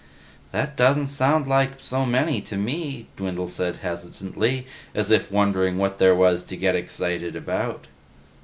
"That doesn't sound like so many to me," Dwindle said hesitantly, as if wondering what there was to get so excited about.